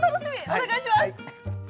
お願いします！